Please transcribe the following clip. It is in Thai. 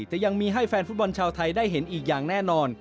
จะยังมีให้แฟนฟุตบอลชาวไทยได้เห็นอีกอย่างแน่นอน